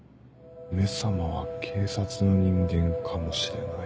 「め様」は警察の人間かもしれない。